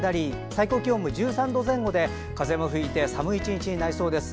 最高気温も１３度前後で風も吹いて寒い１日になりそうです。